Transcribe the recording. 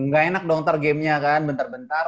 gak enak dong ntar gamenya kan bentar bentar